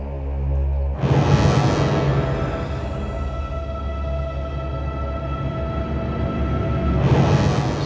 kalau memberges pasar itu juga